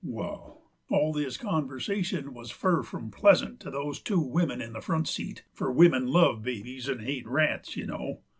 Wall, all this conversation wuz fur from pleasant to those two wimmin in the front seat, fur wimmin love babies 'nd hate rats, you know.